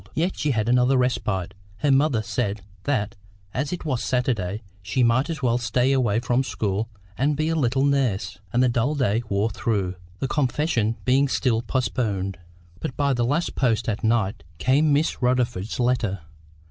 Yet she had another respite; her mother said that, as it was Saturday, she might as well stay away from school and be a little nurse. And the dull day wore through; the confession being still postponed. But by the last post at night came Miss Rutherford's letter.